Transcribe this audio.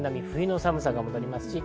冬の寒さが戻ります。